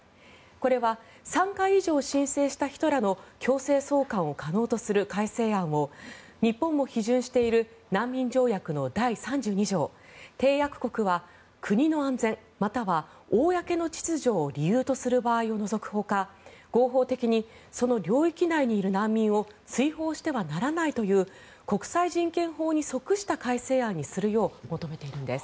これは３回以上申請した人らの強制送還を可能にする改正案を日本も批准している難民条約の第３２条締約国は国の安全または公の秩序を理由とする場合を除くほか合法的にその領域内にいる難民を追放してはならないという国際人権法に即した改正案にするよう求めているんです。